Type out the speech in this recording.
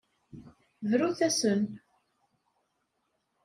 Brut-asen.